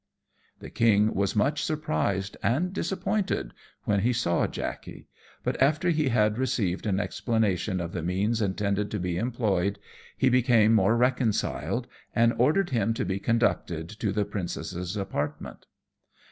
_] The king was much surprised and disappointed when he saw Jackey; but after he had received an explanation of the means intended to be employed, he became more reconciled, and ordered him to be conducted to the princess's apartment.